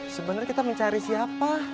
sebenernya kita mencari siapa